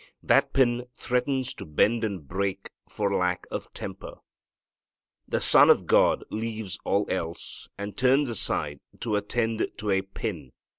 That pin threatens to bend and break for lack of temper. The Son of God leaves all else and turns aside to attend to a pin.